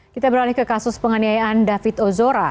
kita beralih ke kasus penganiayaan david ozora